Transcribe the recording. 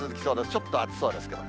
ちょっと暑そうですけど。